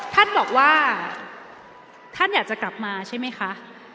ท่านบอกว่าท่านอยากจะกลับมาใช่ไหมคะ